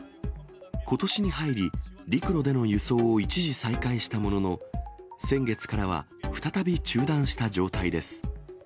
ことしに入り、陸路での輸送を一時再開したものの、先月からは、再び中断した状態です。